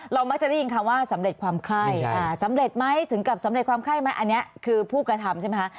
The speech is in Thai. มักจะได้ยินคำว่าสำเร็จความไข้สำเร็จไหมถึงกับสำเร็จความไข้ไหมอันนี้คือผู้กระทำใช่ไหมคะ